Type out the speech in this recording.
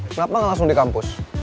kenapa nggak langsung di kampus